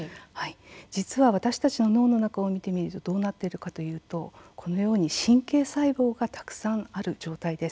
実は私たちの脳の中を見てみるとどうなっているかというとこのように神経細胞がたくさんある状態です。